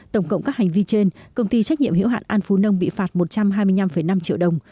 tổng cộng các hành vi trên công ty trách nhiệm hiệu hạn an phú nông bị phạt một trăm hai mươi năm năm triệu đồng